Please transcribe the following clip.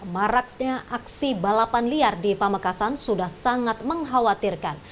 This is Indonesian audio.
maraksnya aksi balapan liar di pamekasan sudah sangat mengkhawatirkan